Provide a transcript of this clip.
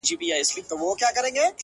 ه بيا دي ږغ کي يو عالم غمونه اورم!